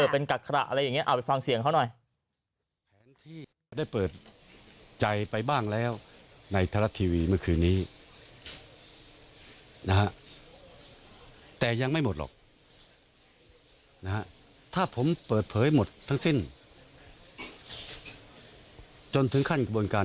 เป็นกักขระอะไรอย่างนี้เอาไปฟังเสียงเขาหน่อย